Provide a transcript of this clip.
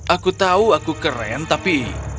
aku tahu aku keren tapi